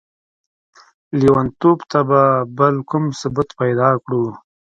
ليونتوب ته به بل کوم ثبوت پيدا کړو؟!